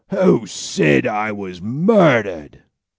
"Who said I was murdered?"